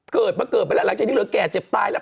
เกิดมาเกิดไปแล้วหลังจากที่เหลือแก่เจ็บตายแล้ว